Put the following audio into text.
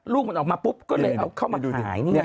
ลูกมันออกมาปุ๊บก็เลยเอาเข้ามาขายนี่แหละ